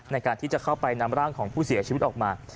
ในการที่จะเข้าไปนำร่างของผู้เสียชีวิตออกมา